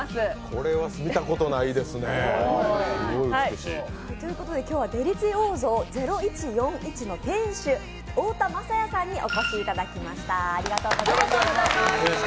これは見たことないですね、すごい美しい。ということで、今日はデリツィオーゾ０１４１の店主太田雅也さんにお越しいただきました。